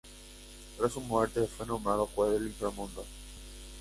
Tras su muerte, fue nombrado juez del inframundo.